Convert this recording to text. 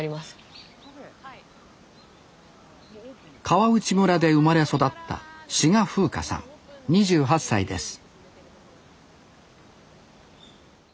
川内村で生まれ育った志賀風夏さん２８歳です